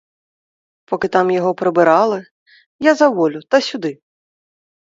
Поки там його прибирали, я за волю та сюди.